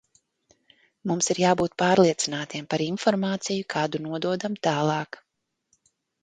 Mums ir jābūt pārliecinātiem par informāciju, kādu nododam tālāk.